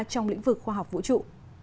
trong lĩnh vực khoa học vũ trụ